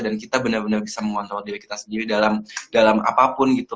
dan kita benar benar bisa mengontrol diri kita sendiri dalam dalam apapun gitu